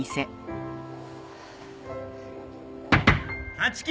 立木！